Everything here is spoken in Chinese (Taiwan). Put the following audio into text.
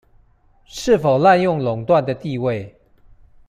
是否濫用壟斷的地位